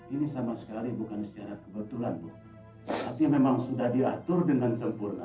ini sama sekali bukan secara kebetulan bu tapi memang sudah diatur dengan sempurna